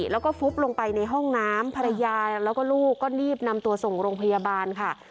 แล้วก็ฟุบลงไปในห้องน้ำภรรยาแล้วก็ลูกก็รีบนำตัวส่งโรงพยาบาลค่ะ